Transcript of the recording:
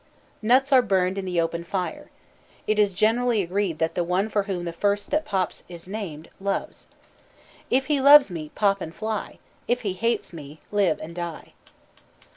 Nuts are burned in the open fire. It is generally agreed that the one for whom the first that pops is named, loves. "If he loves me, pop and fly; If he hates me, live and die."